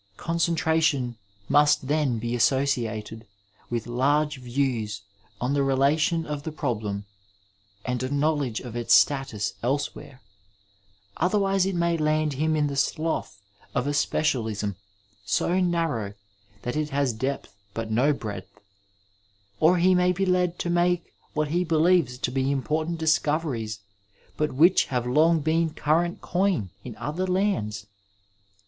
Concentration must then be associated with large views on the relation of the problem, and a knowledge of its status elsewhere ; otherwise it may land him in the slough of a specialism so narrow that it has depth and no breadth, or he may be led to make what he believes to be important discoveries, but which have long been current coin in other lands.